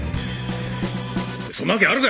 そんなわけあるか！